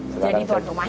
jadi tuan rumahnya